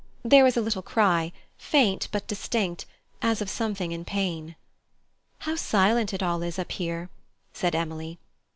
There was a little cry, faint but distinct, as of something in pain. "How silent it all is up here!" said Emily.